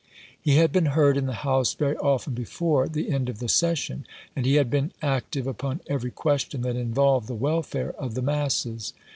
He had been heard in the House very often before the end of the session ; and he had been active upon every question that involved the welfare of the masses.